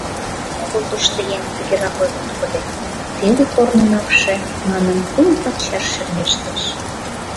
Арам огыл тоштыеҥ тыгерак ойлен коден: «Теле корнын акше, — манын, — кум пачаш шергештеш».